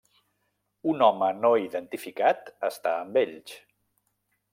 Un home no identificat està amb ells.